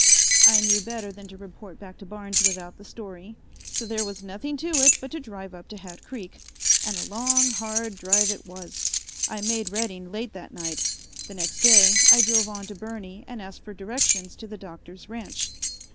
I knew better than to report back to Barnes without the story, so there was nothing to it but to drive up to Hat Creek, and a long, hard drive it was. I made Redding late that night; the next day I drove on to Burney and asked for directions to the Doctor's ranch.